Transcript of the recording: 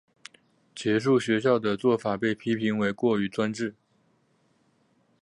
结束学校的做法被批评为过于专制。